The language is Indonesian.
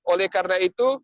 oleh karena itu